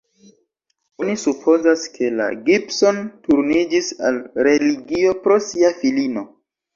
Oni supozas, ke la Gibson turniĝis al religio pro sia filino.